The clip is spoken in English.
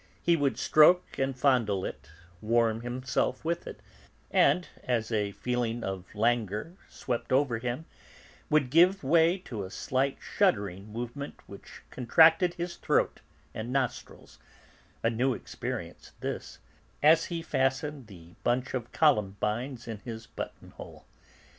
He would stroke and fondle it, warm himself with it, and, as a feeling of languor swept over him, would give way to a slight shuddering movement which contracted his throat and nostrils a new experience, this, as he fastened the bunch of columbines in his buttonhole.